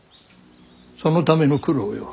そのための九郎よ。